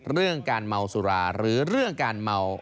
เรื่องการเมาสุราหรือเรื่องการเมา